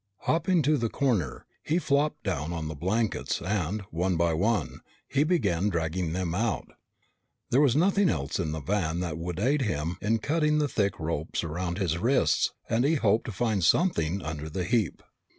Hopping to the corner, he flopped down on the blankets and, one by one, he began dragging them out. There was nothing else in the van that would aid him in cutting the thick ropes around his wrists and he hoped to find something under the heap.